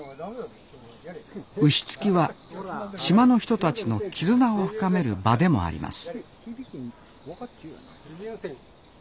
牛突きは島の人たちの絆を深める場でもあります